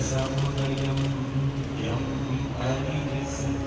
สวัสดีครับสวัสดีครับ